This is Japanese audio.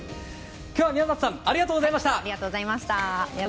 今日は宮里さんありがとうございました。